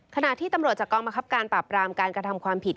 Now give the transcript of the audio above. ขณะที่ตำรวจจากกองบังคับการปราบรามการกระทำความผิด